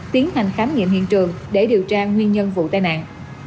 tiến hành khám nghiệm hiện trường để điều tra nguyên nhân vụ tai nạn